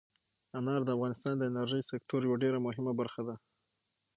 انار د افغانستان د انرژۍ سکتور یوه ډېره مهمه برخه ده.